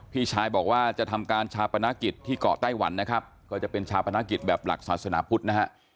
พี่ชายบอกว่าจะทำการชาปนกิจที่เกาะไต้หวันนะครับก็จะเป็นชาปนกิจแบบหลักศาสนาพุทธนะฮะ